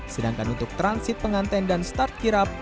sedangkan untuk transit penganten dan start kirap